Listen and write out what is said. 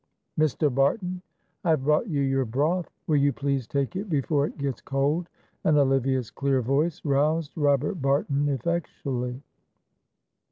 "Mr. Barton, I have brought you your broth; will you please take it before it gets cold?" and Olivia's clear voice roused Robert Barton effectually.